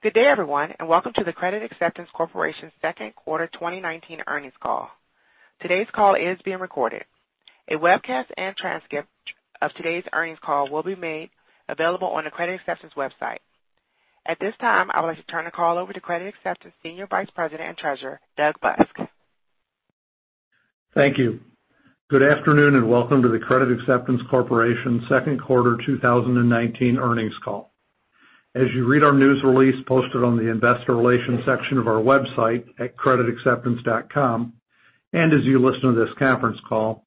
Good day everyone. Welcome to the Credit Acceptance Corporation second quarter 2019 earnings call. Today's call is being recorded. A webcast and transcript of today's earnings call will be made available on the Credit Acceptance website. At this time, I would like to turn the call over to Credit Acceptance Senior Vice President and Treasurer, Doug Busk. Thank you. Good afternoon, and welcome to the Credit Acceptance Corporation second quarter 2019 earnings call. As you read our news release posted on the investor relations section of our website at creditacceptance.com, and as you listen to this conference call,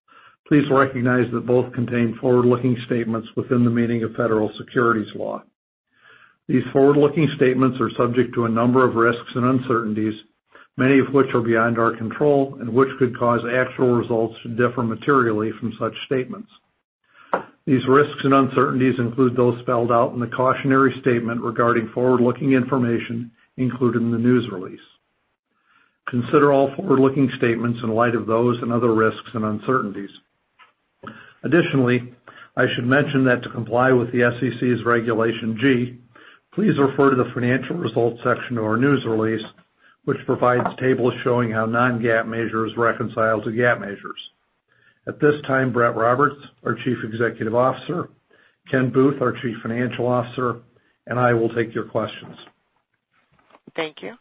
please recognize that both contain forward-looking statements within the meaning of Federal Securities law. These forward-looking statements are subject to a number of risks and uncertainties, many of which are beyond our control and which could cause actual results to differ materially from such statements. These risks and uncertainties include those spelled out in the cautionary statement regarding forward-looking information included in the news release. Consider all forward-looking statements in light of those and other risks and uncertainties. Additionally, I should mention that to comply with the SEC's Regulation G, please refer to the financial results section of our news release, which provides tables showing how non-GAAP measures reconcile to GAAP measures. At this time, Brett Roberts, our Chief Executive Officer, Ken Booth, our Chief Financial Officer, and I will take your questions. Thank you.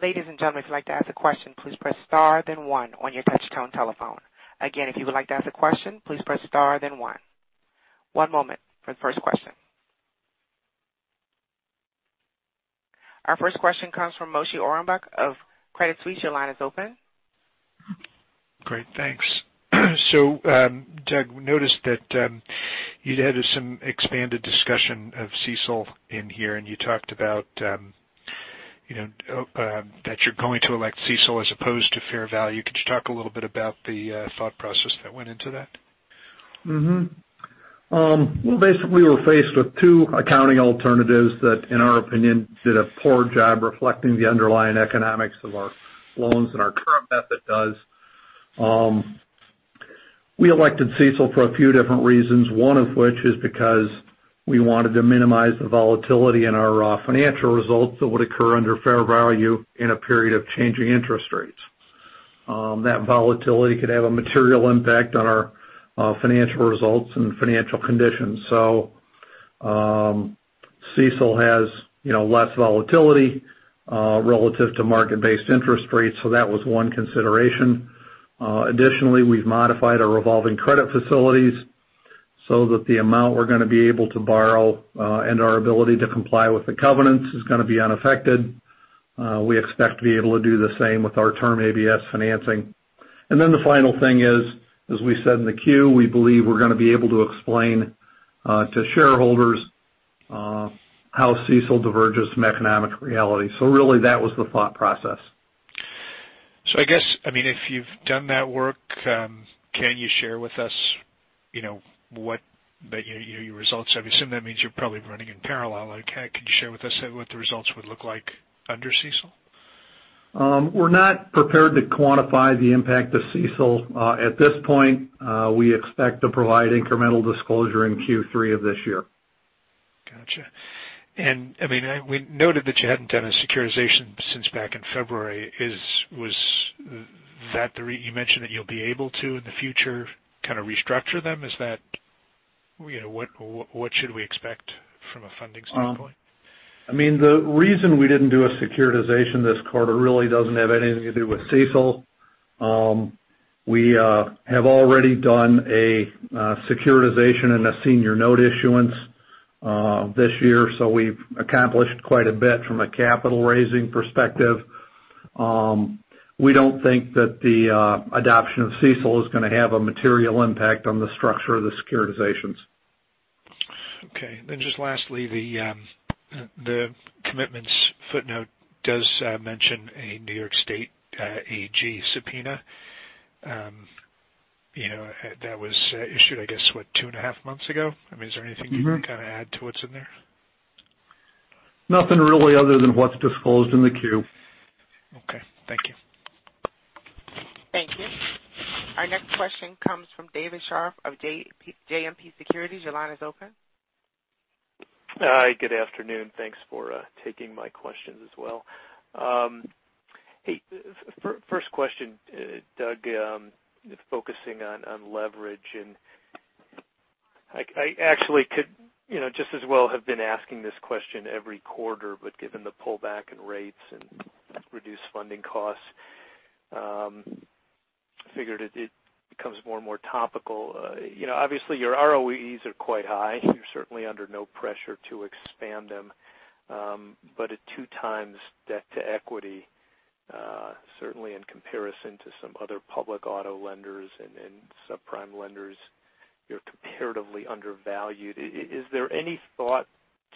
Ladies and gentlemen, if you'd like to ask a question, please press star then one on your touch tone telephone. Again, if you would like to ask a question, please press star then one. One moment for the first question. Our first question comes from Moshe Orenbuch of Credit Suisse. Your line is open. Great, thanks. Doug, we noticed that you'd added some expanded discussion of CECL in here, and you talked about that you're going to elect CECL as opposed to fair value. Could you talk a little bit about the thought process that went into that? Well, basically, we're faced with two accounting alternatives that, in our opinion, did a poor job reflecting the underlying economics of our loans and our current method does. We elected CECL for a few different reasons, one of which is because we wanted to minimize the volatility in our financial results that would occur under fair value in a period of changing interest rates. That volatility could have a material impact on our financial results and financial conditions. CECL has less volatility, relative to market-based interest rates, so that was one consideration. Additionally, we've modified our revolving credit facilities so that the amount we're going to be able to borrow, and our ability to comply with the covenants is going to be unaffected. We expect to be able to do the same with our term ABS financing. The final thing is, as we said in the Q, we believe we're going to be able to explain to shareholders how CECL diverges from economic reality. Really, that was the thought process. I guess, if you've done that work, can you share with us your results? Obviously, that means you're probably running in parallel. Could you share with us what the results would look like under CECL? We're not prepared to quantify the impact of CECL. At this point, we expect to provide incremental disclosure in Q3 of this year. Got you. We noted that you hadn't done a securitization since back in February. You mentioned that you'll be able to in the future kind of restructure them. What should we expect from a funding standpoint? The reason we didn't do a securitization this quarter really doesn't have anything to do with CECL. We have already done a securitization and a senior note issuance this year, so we've accomplished quite a bit from a capital-raising perspective. We don't think that the adoption of CECL is going to have a material impact on the structure of the securitizations. Okay. Just lastly, the commitments footnote does mention a New York State AG subpoena. That was issued, I guess, what, two and a half months ago? Is there anything you can add to what's in there? Nothing really other than what's disclosed in the Q. Okay. Thank you. Thank you. Our next question comes from David Scharf of JMP Securities. Your line is open. Hi, good afternoon. Thanks for taking my questions as well. Hey, first question, Doug, focusing on leverage and I actually could just as well have been asking this question every quarter, given the pullback in rates and reduced funding costs, I figured it becomes more and more topical. Obviously, your ROEs are quite high. You're certainly under no pressure to expand them. At 2x debt to equity, certainly in comparison to some other public auto lenders and subprime lenders, you're comparatively undervalued. Is there any thought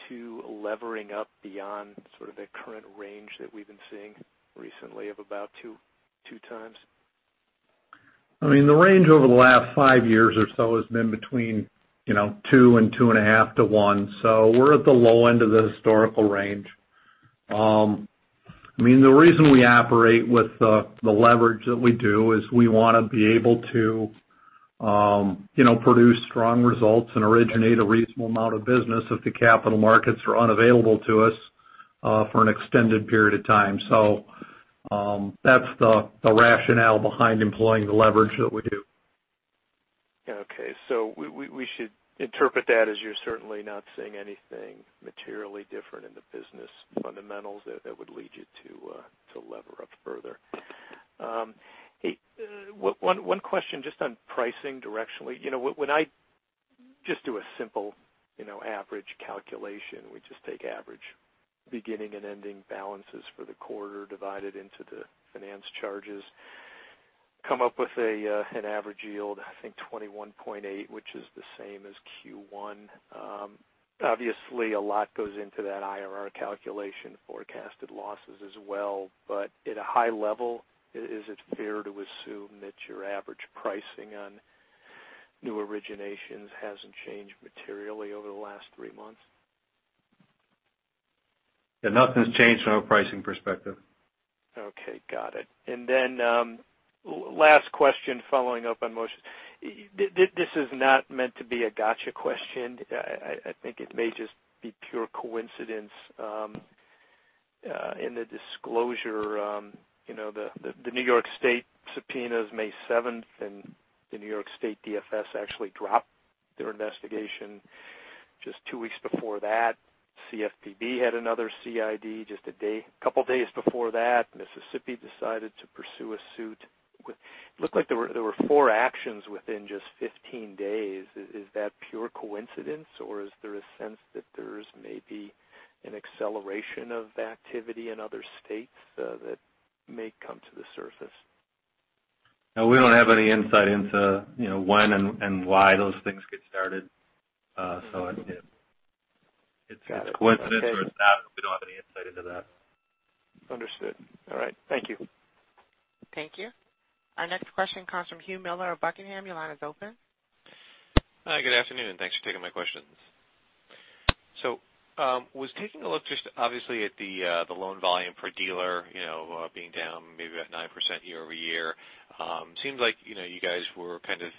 to levering up beyond sort of the current range that we've been seeing recently of about 2x? The range over the last five years or so has been between two and two and a half to one. We're at the low end of the historical range. I mean, the reason we operate with the leverage that we do is we want to be able to produce strong results and originate a reasonable amount of business if the capital markets are unavailable to us for an extended period of time. That's the rationale behind employing the leverage that we do. We should interpret that as you're certainly not seeing anything materially different in the business fundamentals that would lead you to lever up further. One question just on pricing directionally. When I just do a simple average calculation, we just take average beginning and ending balances for the quarter divided into the finance charges, come up with an average yield, I think 21.8, which is the same as Q1. Obviously, a lot goes into that IRR calculation, forecasted losses as well. At a high level, is it fair to assume that your average pricing on new originations hasn't changed materially over the last three months? Yeah, nothing's changed from a pricing perspective. Okay. Got it. Then, last question following up on Moshe. This is not meant to be a gotcha question. I think it may just be pure coincidence. In the disclosure, the New York State subpoenas May 7th, and the New York State DFS actually dropped their investigation just two weeks before that. CFPB had another CID just a couple of days before that. Mississippi decided to pursue a suit. It looked like there were four actions within just 15 days. Is that pure coincidence or is there a sense that there's maybe an acceleration of activity in other states that may come to the surface? No, we don't have any insight into when and why those things get started. It's coincidence or it's that. We don't have any insight into that. Understood. All right. Thank you. Thank you. Our next question comes from Hugh Miller of Buckingham. Your line is open. Hi, good afternoon. Thanks for taking my questions. Was taking a look just obviously at the loan volume per dealer being down maybe about 9% year-over-year. Seems like you guys were kind of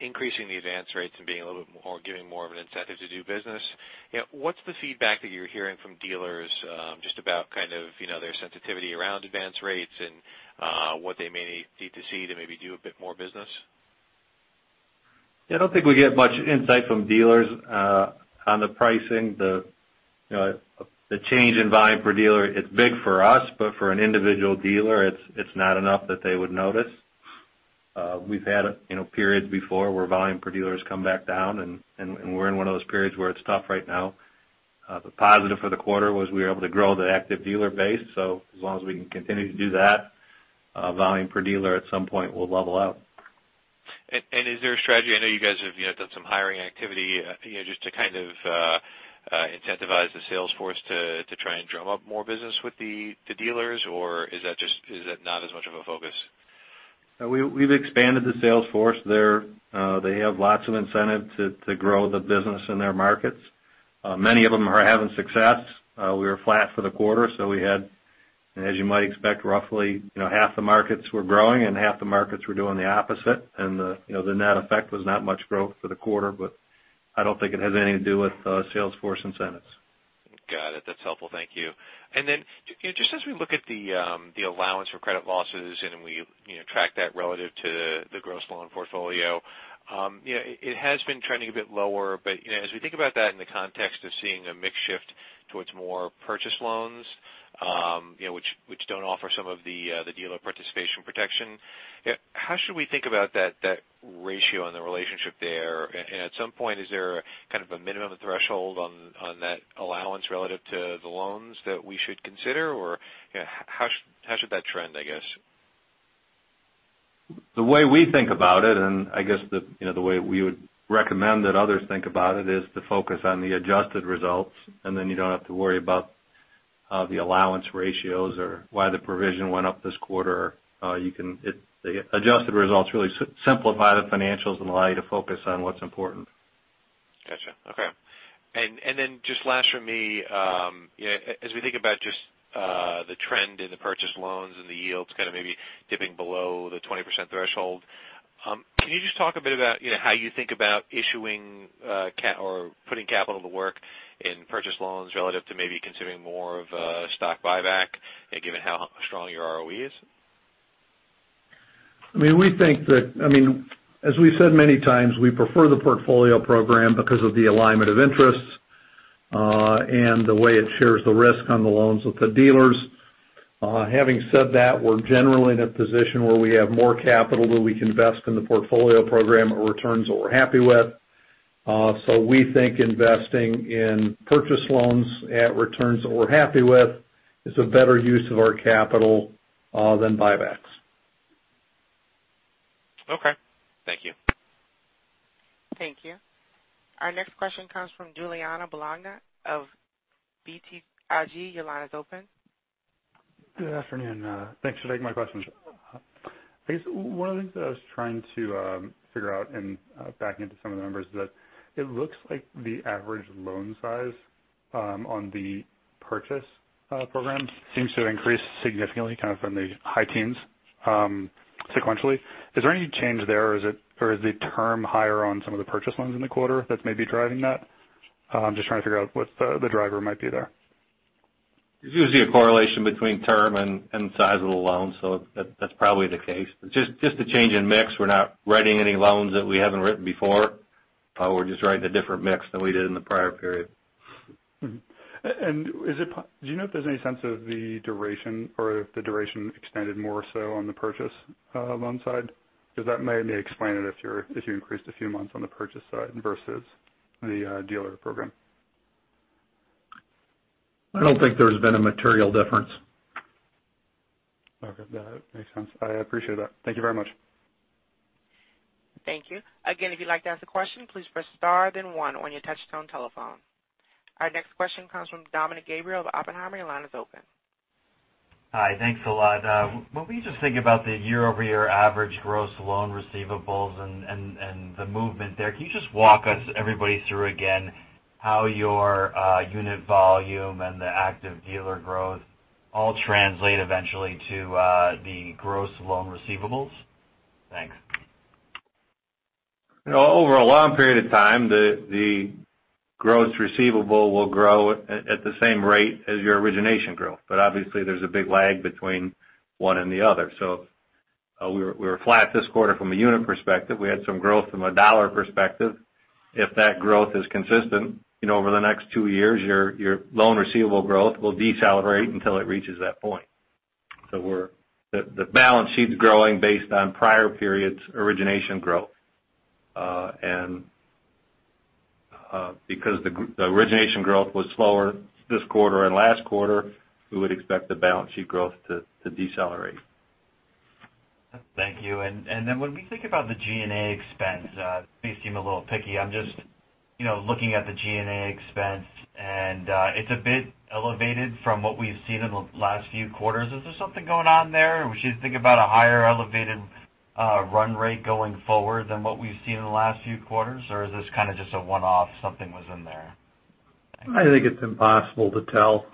increasing the advance rates and being a little bit more, giving more of an incentive to do business. What's the feedback that you're hearing from dealers just about kind of their sensitivity around advance rates and what they may need to see to maybe do a bit more business? Yeah, I don't think we get much insight from dealers on the pricing. The change in volume per dealer, it's big for us, but for an individual dealer, it's not enough that they would notice. We've had periods before where volume per dealer has come back down, and we're in one of those periods where it's tough right now. The positive for the quarter was we were able to grow the active dealer base. As long as we can continue to do that, volume per dealer at some point will level out. Is there a strategy? I know you guys have done some hiring activity just to kind of incentivize the sales force to try and drum up more business with the dealers, or is that not as much of a focus? We've expanded the sales force there. They have lots of incentive to grow the business in their markets. Many of them are having success. We were flat for the quarter. We had, as you might expect, roughly half the markets were growing and half the markets were doing the opposite. The net effect was not much growth for the quarter, but I don't think it has anything to do with sales force incentives. Got it. That's helpful. Thank you. Just as we look at the allowance for credit losses, and we track that relative to the gross loan portfolio, it has been trending a bit lower, but as we think about that in the context of seeing a mix shift towards more purchase loans, which don't offer some of the dealer participation protection, how should we think about that ratio and the relationship there? At some point, is there kind of a minimum threshold on that allowance relative to the loans that we should consider? How should that trend, I guess? The way we think about it, and I guess the way we would recommend that others think about it, is to focus on the adjusted results, and then you don't have to worry about the allowance ratios or why the provision went up this quarter. The adjusted results really simplify the financials and allow you to focus on what's important. Gotcha. Okay. Just last from me, as we think about just the trend in the purchase loans and the yields kind of maybe dipping below the 20% threshold, can you just talk a bit about how you think about issuing or putting capital to work in purchase loans relative to maybe considering more of a stock buyback given how strong your ROE is? I mean, as we've said many times, we prefer the Portfolio Program because of the alignment of interests, and the way it shares the risk on the loans with the dealers. Having said that, we're generally in a position where we have more capital that we can invest in the Portfolio Program at returns that we're happy with. We think investing in purchase loans at returns that we're happy with is a better use of our capital than buybacks. Okay. Thank you. Thank you. Our next question comes from Giuliano Bologna of BTIG. Your line is open. Good afternoon. Thanks for taking my questions. I guess one of the things that I was trying to figure out and backing into some of the numbers is that it looks like the average loan size on the Purchase Program seems to increase significantly from the high teens sequentially. Is there any change there, or is the term higher on some of the Purchase loans in the quarter that's maybe driving that? I'm just trying to figure out what the driver might be there. There's usually a correlation between term and size of the loan. That's probably the case. It's just a change in mix. We're not writing any loans that we haven't written before. We're just writing a different mix than we did in the prior period. Do you know if there's any sense of the duration or if the duration extended more so on the Purchase loan side? That may explain it if you increased a few months on the Purchase side versus the dealer program. I don't think there's been a material difference. Okay. That makes sense. I appreciate that. Thank you very much. Thank you. Again, if you'd like to ask a question, please press star then one on your touchtone telephone. Our next question comes from Dominick Gabriele of Oppenheimer. Your line is open. Hi. Thanks a lot. When we just think about the year-over-year average gross loan receivables and the movement there, can you just walk us, everybody, through again how your unit volume and the active dealer growth all translate eventually to the gross loan receivables? Thanks. Over a long period of time, the gross receivable will grow at the same rate as your origination growth. Obviously, there's a big lag between one and the other. We were flat this quarter from a unit perspective. We had some growth from a dollar perspective. If that growth is consistent over the next two years, your loan receivable growth will decelerate until it reaches that point. The balance sheet's growing based on prior periods origination growth. Because the origination growth was slower this quarter and last quarter, we would expect the balance sheet growth to decelerate. Thank you. When we think about the G&A expense, I may seem a little picky. I'm just looking at the G&A expense, it's a bit elevated from what we've seen in the last few quarters. Is there something going on there? We should think about a higher elevated run rate going forward than what we've seen in the last few quarters, or is this kind of just a one-off, something was in there? I think it's impossible to tell.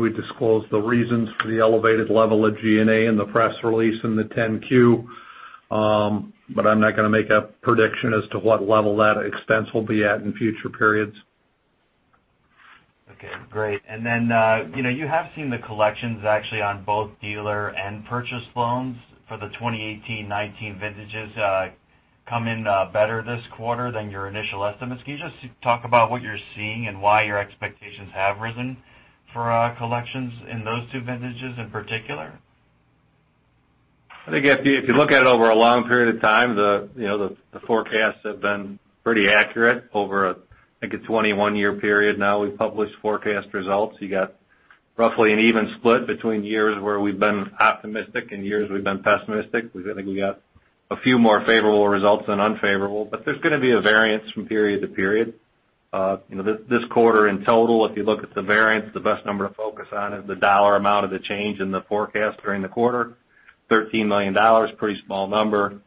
We disclosed the reasons for the elevated level of G&A in the press release and the 10-Q. I'm not going to make a prediction as to what level that expense will be at in future periods. Okay, great. You have seen the collections actually on both dealer and purchase loans for the 2018, 2019 vintages come in better this quarter than your initial estimates. Can you just talk about what you're seeing and why your expectations have risen for collections in those two vintages in particular? I think if you look at it over a long period of time, the forecasts have been pretty accurate over, I think, a 21-year period now we've published forecast results. You got roughly an even split between years where we've been optimistic and years we've been pessimistic. We got a few more favorable results than unfavorable. There's going to be a variance from period to period. This quarter in total, if you look at the variance, the best number to focus on is the dollar amount of the change in the forecast during the quarter. That was $13 million, a pretty small number.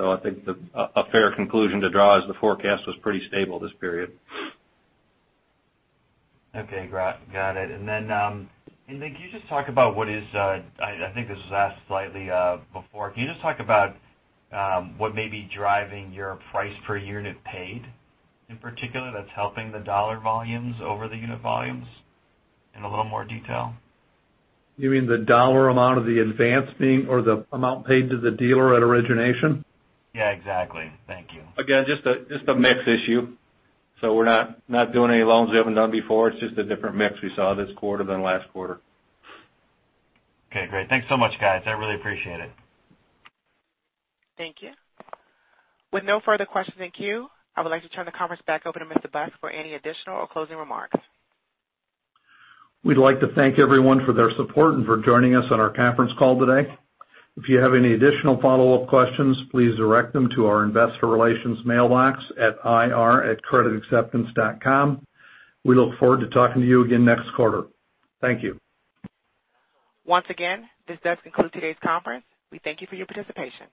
I think a fair conclusion to draw is the forecast was pretty stable this period. Okay. Got it. I think this was asked slightly before. Can you just talk about what may be driving your price per unit paid, in particular, that's helping the dollar volumes over the unit volumes in a little more detail? You mean the dollar amount of the advance being or the amount paid to the dealer at origination? Yeah, exactly. Thank you. Again, just a mix issue. We're not doing any loans we haven't done before. It's just a different mix we saw this quarter than last quarter. Okay, great. Thanks so much, guys. I really appreciate it. Thank you. With no further questions in queue, I would like to turn the conference back over to Mr. Busk for any additional or closing remarks. We'd like to thank everyone for their support and for joining us on our conference call today. If you have any additional follow-up questions, please direct them to our investor relations mailbox at ir@creditacceptance.com. We look forward to talking to you again next quarter. Thank you. Once again, this does conclude today's conference. We thank you for your participation.